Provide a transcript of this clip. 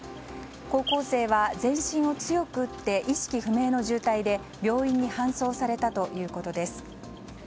高校生は全身を強く打って意識不明の重体で病院に搬送されたということです。